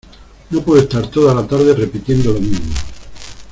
no puedo estar toda la tarde repitiendo lo mismo.